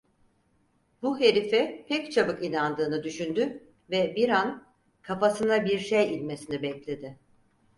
Bu herife pek çabuk inandığını düşündü ve biran, kafasına bir şey inmesini bekledi.